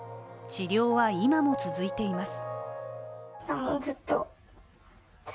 治療は今も続いています。